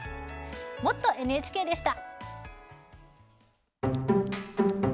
「もっとＮＨＫ」でした。